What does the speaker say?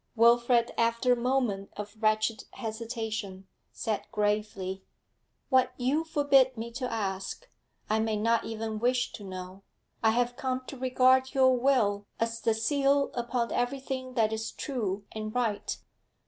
Wilfrid, after a moment of wretched hesitation, said gravely: 'What you forbid me to ask, I may not even wish to know. I have come to regard your will as the seal upon everything that is true and right.